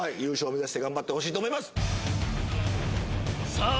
目指して頑張ってほしいと思いますさあ